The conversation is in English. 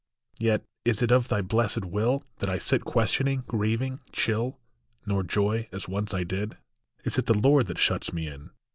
Yet is it of thy blessed will That I sit questioning, grieving, chill, Nor joy as once I did ? Is it the Lord that shuts me in?